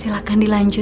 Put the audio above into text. nah punya lagi